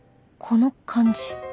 この感じ